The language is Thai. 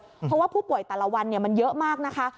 เพราะว่าผู้ป่วยแต่ละวันมันเยอะมากนะคะ